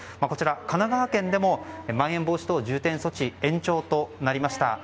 こちら、神奈川県でもまん延防止等重点措置延長となりました。